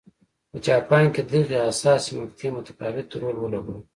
په جاپان کې دغې حساسې مقطعې متفاوت رول ولوباوه.